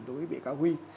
đối với bị cáo huy